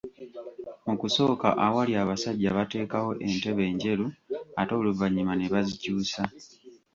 Mu kusooka awali abasajja baateekawo entebe enjeru ate oluvannyuma ne bazikyusa.